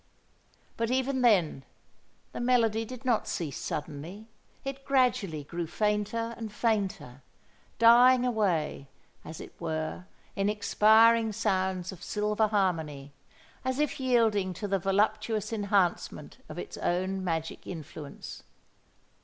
But even then the melody did not cease suddenly. It gradually grew fainter and fainter—dying away, as it were, in expiring sounds of silver harmony, as if yielding to the voluptuous enhancement of its own magic influence.